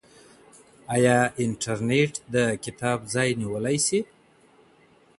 آیا انټرنیټ د کتاب ځای نیولی سي؟